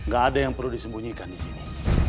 gak ada yang perlu disembunyikan di sini